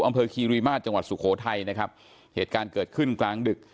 คีรีมาตรจังหวัดสุโขทัยนะครับเหตุการณ์เกิดขึ้นกลางดึก